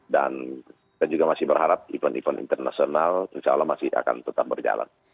dan kita juga masih berharap event event internasional insya allah masih akan tetap berjalan